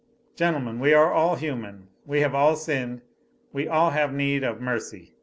Gentlemen, we are all human, we have all sinned, we all have need of mercy.